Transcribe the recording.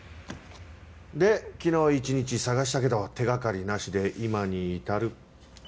で昨日一日捜したけど手掛かりなしで今に至る。